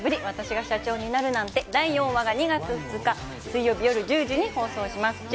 わたしが社長になるなんて、第４話が２月２日水曜日夜１０時に放送します。